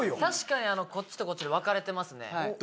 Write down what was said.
確かにこっちとこっちで分かれてますね。